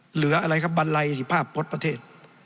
เหลืออะไรครับบันไลสิภาพพจน์ประเทศ